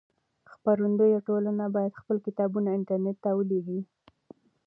خپرندويې ټولنې بايد خپل کتابونه انټرنټ ته ولېږي.